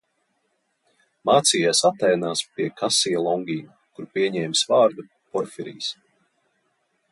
Mācījies Atēnās pie Kasija Longīna, kur pieņēmis vārdu Porfirijs.